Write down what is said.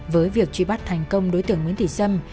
với việc truy bắt thành công đối tượng nguyễn thị sâm